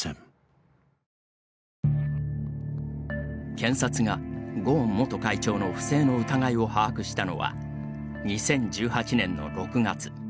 検察がゴーン元会長の不正の疑いを把握したのは２０１８年の６月。